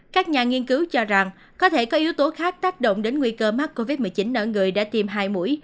các nhà nghiên cứu cho rằng có thể có yếu tố khác tác động đến nguy cơ mắc covid một mươi chín ở người đã tiêm hai mũi